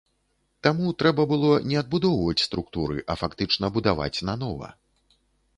Таму трэба было не адбудоўваць структуры, а фактычна будаваць нанова.